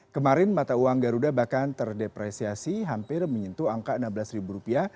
kemarin mata uang garuda bahkan terdepresiasi hampir menyentuh angka rp enam belas